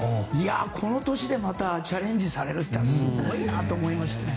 この年でチャレンジされるというのはすごいなと思いました。